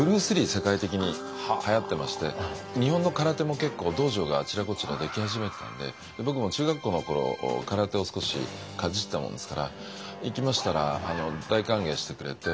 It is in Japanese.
世界的にはやってまして日本の空手も結構道場があちらこちら出来始めてたんで僕も中学校の頃空手を少しかじったもんですから行きましたら大歓迎してくれて。